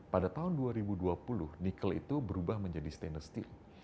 pada tahun dua ribu dua puluh nikel itu berubah menjadi stainless steel